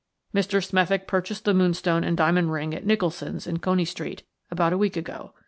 Mr. Smethick purchased the moonstone and diamond ring at Nicholson's in Coney Street about a week ago.